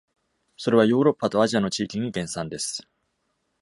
それはヨーロッパとアジアの地域に原産です。